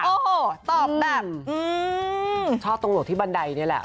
โอ้โหตอบแบบชอบตรงหลวงที่บันไดนี่แหละ